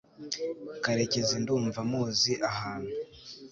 karekezi ndumva muzi ahantu